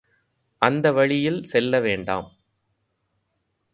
அந்தவழியில் செல்ல வேண்டாம்!